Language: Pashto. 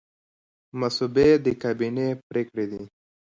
مصوبې د کابینې پریکړې دي